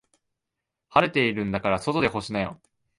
晴れてるんだから外で干しなよ。